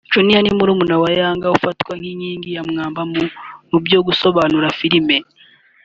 Junior ni murumuna wa Younger ufatwa nk’inkingi ya mwamba mu byo gusobanura filime